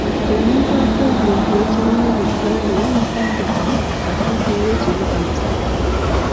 Ye mumyuka wa Pulezidenti w'ekibiina mu Buganda era mu kadde kano y'akiikirira ekibuga Masaka.